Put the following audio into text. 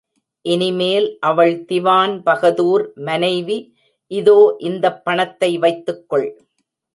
இனிமேல் அவள் திவான் பகதூர் மனைவி இதோ இந்தப் பணத்தை வைத்துக்கொள்.